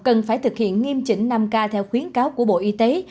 cần phải thực hiện nghiêm chỉnh năm k theo khuyến cáo của bộ y tế